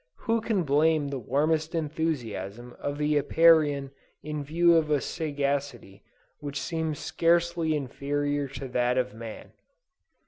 Who can blame the warmest enthusiasm of the Apiarian in view of a sagacity which seems scarcely inferior to that of man.